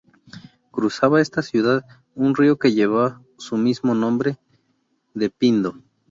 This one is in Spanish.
Cruzaba esta ciudad un río que lleva su mismo nombre de Pindo.